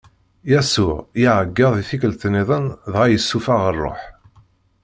Yasuɛ iɛeggeḍ i tikkelt-nniḍen dɣa yessufeɣ ṛṛuḥ.